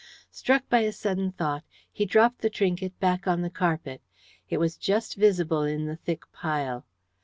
Struck by a sudden thought, he dropped the trinket back on the carpet. It was just visible in the thick pile.